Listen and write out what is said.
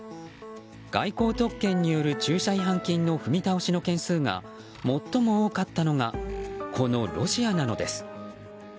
外交特権による駐車違反金の踏み倒しの件数が最も多かったのがこのロシアなのです。